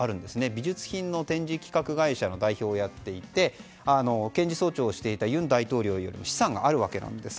美術品の展示企画会社の代表をやっていて検事総長をしていた尹大統領よりも資産があるわけです。